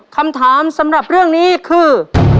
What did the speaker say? คำถามสำหรับเรื่องนี้คือ